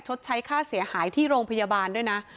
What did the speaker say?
ชดใช้ค่าเสียหายที่โรงพยาบาลด้วยนะ